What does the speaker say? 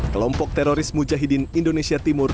kelompok teroris mujahidin indonesia timur